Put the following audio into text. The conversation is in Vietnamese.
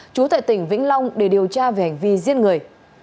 chú tại tỉnh vĩnh long để điều tra về hành vi giết người